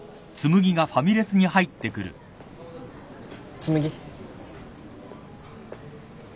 紬。